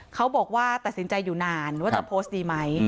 เขาบอกว่าตัดสินใจอยู่นานว่าจะโพสต์ดีไหม